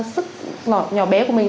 sức nhỏ bé của mình